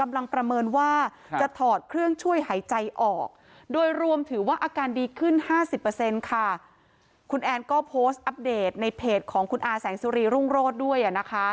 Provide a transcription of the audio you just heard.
คุณแอนก็โพสต์อัปเดตในเพจของคุณอาแสงสุรีรุ่งโรธด้วยนะคะ